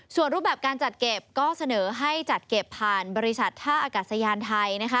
ส่วนรูปแบบการจัดเก็บก็เสนอให้จัดเก็บผ่านบริษัทท่าอากาศยานไทย